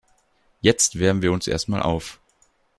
Jetzt wärmen wir uns erst mal auf.